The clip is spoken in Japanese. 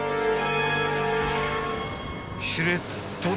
［しれっと］